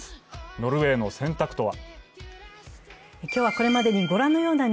ノルウェーの選択とは。